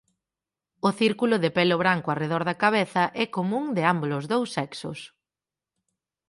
O círculo de pelo branco arredor da cabeza é común de ámbolos dous sexos.